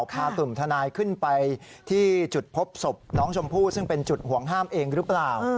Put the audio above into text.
พากลุ่มทนายขึ้นไปที่จุดพบศพน้องชมพู่ซึ่งเป็นจุดห่วงห้ามเองหรือเปล่า